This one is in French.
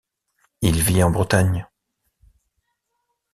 Il vit en Bretagne.